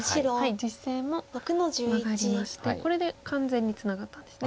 実戦もマガりましてこれで完全にツナがったんですね。